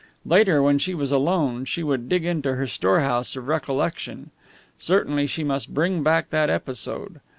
Later, when she was alone, she would dig into her storehouse of recollection. Certainly she must bring back that episode.